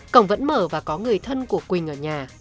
cổng vẫn mở và có người thân của quỳnh ở nhà